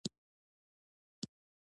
انګلیسي د تمرین له لارې زده کېږي